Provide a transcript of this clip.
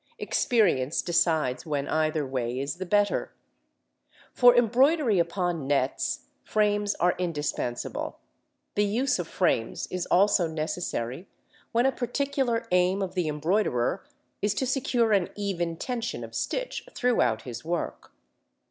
Experience decides when either way is the better. For embroidery upon nets, frames are indispensable. The use of frames is also necessary when a particular aim of the embroiderer is to secure an even tension of stitch throughout his work.